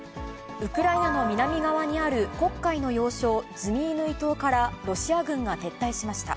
ウクライナの南側にある黒海の要衝ズミイヌイ島からロシア軍が撤退しました。